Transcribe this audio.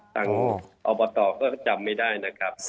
ฉันเอาประตอบก็จำไม่ได้นะครับ